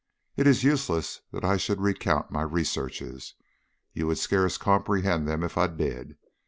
It is useless that I should recount my researches. You would scarce comprehend them if I did.